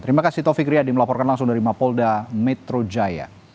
terima kasih taufik riyadi melaporkan langsung dari mapolda metro jaya